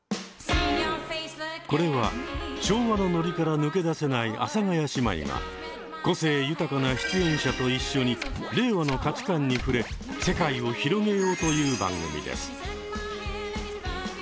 これは昭和のノリから抜け出せない阿佐ヶ谷姉妹が個性豊かな出演者と一緒に令和の価値観に触れ世界を広げようという番組です。